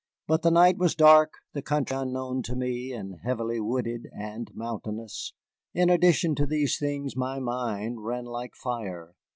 But the night was dark, the country unknown to me, and heavily wooded and mountainous. In addition to these things my mind ran like fire.